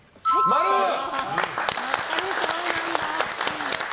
やっぱりそうなんだ。